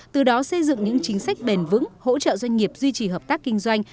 từ đó xây dựng những chính sách bền vững hỗ trợ doanh nghiệp duy trì hợp tác kinh doanh